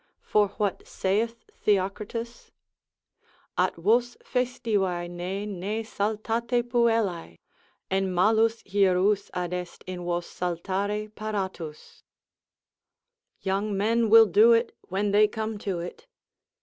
For what saith Theocritus? At vos festivae ne ne saltate puellae, En malus hireus adest in vos saltare paratus. Young men will do it when they come to it.